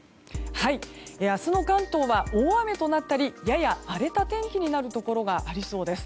明日の関東は大雨となったりやや荒れた天気になるところがありそうです。